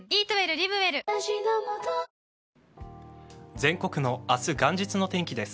全国の明日、元日の天気です。